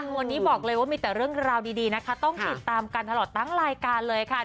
วันนี้บอกเลยว่ามีแต่เรื่องราวดีนะคะต้องติดตามกันตลอดทั้งรายการเลยค่ะ